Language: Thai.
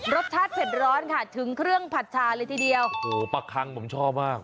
รสชาติเผ็ดร้อนค่ะถึงเครื่องผัดชาเลยทีเดียวโอ้โหปลาคังผมชอบมาก